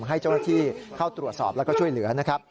ให้เจ้าหน้าที่เข้าตรวจสอบแล้วก็ช่วยเหลือนะครับ